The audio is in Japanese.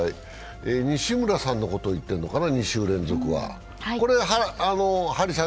西村さんのことを言ってるのかな、２週連続は。